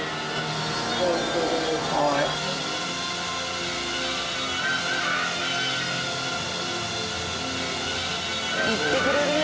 いってくれるね